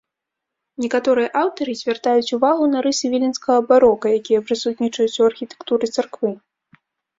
Некаторыя аўтары звяртаюць увагу на рысы віленскага барока, якія прысутнічаюць у архітэктуры царквы.